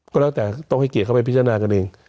ก็แล้วแต่ต้องให้เกียรติเข้าไปพิจารณากันเอง